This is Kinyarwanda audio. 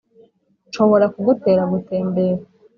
nshobora kugutera gutembera